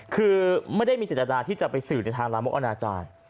คือไม่ได้มีเจตนาที่จะไปสื่อในทางลามกอนาจารย์